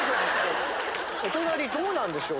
お隣どうなんでしょう？